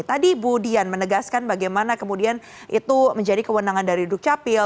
tadi bu dian menegaskan bagaimana kemudian itu menjadi kewenangan dari dukcapil